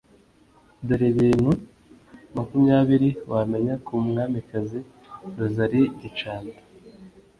Dore ibintu makumyabiri wamenya ku mwamikazi Rosalie Gicanda.